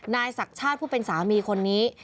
นายศักดิ์ชาติผู้เป็นสามีคนนี้